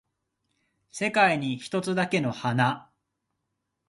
世界に一つだけの花